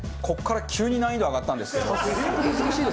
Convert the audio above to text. ここから急に難易度上がったんですけども。